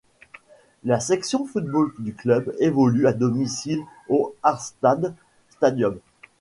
La section football du club évolue à domicile au Harstad Stadium.